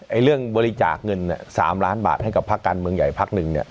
ไอ้เรื่องบริจาคเงินเนี้ยสามล้านบาทให้กับพระการเมืองใหญ่พักหนึ่งเนี้ย